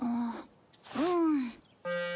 うん。